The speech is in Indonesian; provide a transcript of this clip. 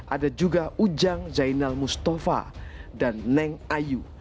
ada juga ujang zainal mustafa dan neng ayu